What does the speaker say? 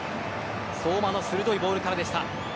相馬の鋭いボールからでした。